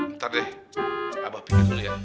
ntar deh abah pingin dulu ya